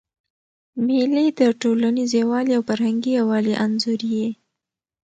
مېلې د ټولنیز یووالي او فرهنګي یووالي انځور يي.